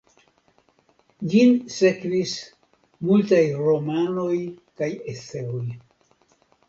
Ĝin sekvis multaj romanoj kaj eseoj.